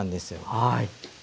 はい。